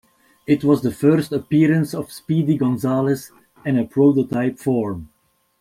It was the first appearance of Speedy Gonzales, in a prototype form.